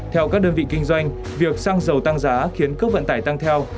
theo các đơn vị kinh doanh việc xăng dầu tăng giá khiến cước vận tải tăng theo